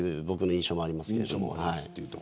僕の印象はあります。